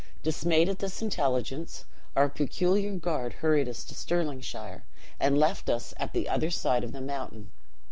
Dismayed at this intelligence, our peculiar guard hurried us into Stirlingshire, and left us at the other side of the mountain.